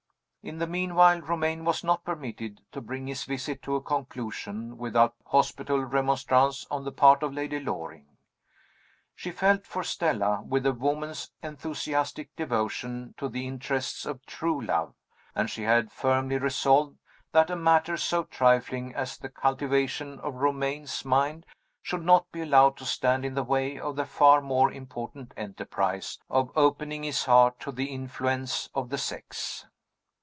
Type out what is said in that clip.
In the meanwhile, Romayne was not permitted to bring his visit to a conclusion without hospitable remonstrance on the part of Lady Loring. She felt for Stella, with a woman's enthusiastic devotion to the interests of true love; and she had firmly resolved that a matter so trifling as the cultivation of Romayne's mind should not be allowed to stand in the way of the far more important enterprise of opening his heart to the influence of the sex.